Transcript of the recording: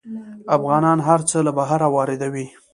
افغانان هر څه له بهر واردوي.